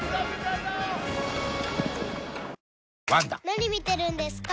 ・何見てるんですか？